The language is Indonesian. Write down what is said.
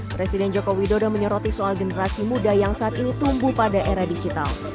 presiden joko widodo menyoroti soal generasi muda yang saat ini tumbuh pada era digital